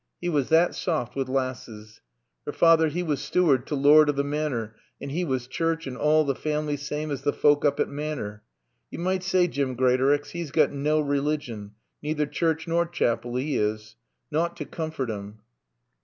'E was that soft wi' laasses. 'Er feyther 'e was steward to lord o' t' Manor and 'e was Choorch and all t' family saame as t' folk oop at Manor. Yo med say, Jim Greatorex, 'e's got naw religion. Neither Choorch nor Chapel 'e is. Nowt to coomfort 'im."